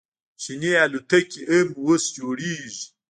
چیني الوتکې هم اوس جوړیږي.